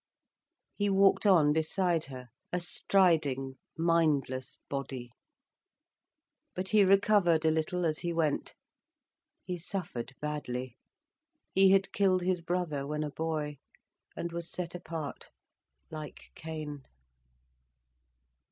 He walked on beside her, a striding, mindless body. But he recovered a little as he went. He suffered badly. He had killed his brother when a boy, and was set apart, like Cain.